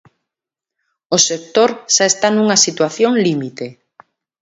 O sector xa está nunha situación límite.